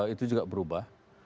itu juga berubah